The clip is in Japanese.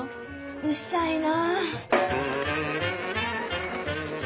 うっさいな。